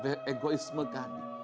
kalahkan egoisme kami